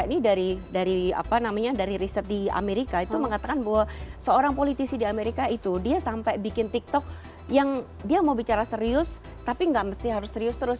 ini dari apa namanya dari riset di amerika itu mengatakan bahwa seorang politisi di amerika itu dia sampai bikin tiktok yang dia mau bicara serius tapi gak mesti harus serius terus